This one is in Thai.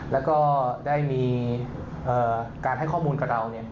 แล้วก็ได้มีการให้ข้อมูลกับเรา